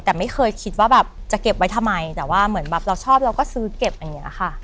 แต่ไม่เคยคิดว่าแบบจะเก็บไว้ทำไมแต่ว่าเหมือนแบบเราชอบเราก็ซื้อเก็บอย่างนี้ค่ะ